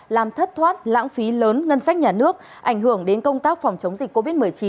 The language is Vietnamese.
làm thất thoát lãng phí lớn ngân sách nhà nước ảnh hưởng đến công tác phòng chống dịch covid một mươi chín